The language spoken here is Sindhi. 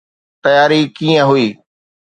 تياري ڪيئن هئي؟